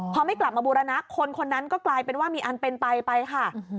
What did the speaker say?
พอไม่กลับมาบูรณะคนคนนั้นก็กลายเป็นว่ามีอันเป็นไปไปค่ะ